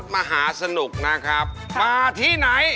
มาที่ไหน